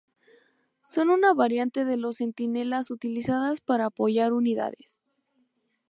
Son una variante de los Centinelas utilizadas para apoyar unidades.